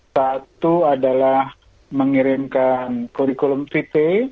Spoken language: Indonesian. satu adalah mengirimkan kurikulum vp